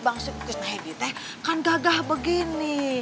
bang kusna hedite kan gagah begini